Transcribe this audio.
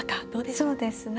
そうですね。